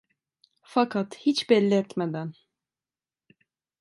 Fakat hiç belli etmeden…